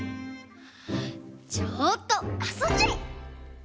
ちょっとあそんじゃえ！